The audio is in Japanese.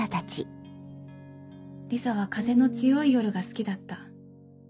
リサは風の強い夜が好きだった。